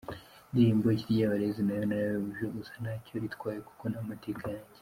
Indirimbo ikiryabarezi na yo narayumvise, gusa ntacyo intwaye kuko ni amateka yanjye.